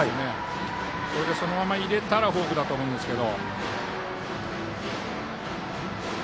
それで、そのまま入れたらフォークだと思うんですけど。